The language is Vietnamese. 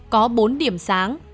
có bốn điểm sáng